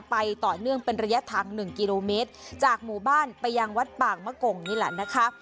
ไปต่อเนื่องเป็นระยะทาง๑กิโลเมตรจากหมู่บ้านไปยังวัดปากมะกงนี่แหละนะคะ